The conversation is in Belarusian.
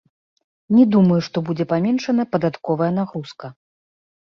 Не думаю, што будзе паменшана падатковая нагрузка.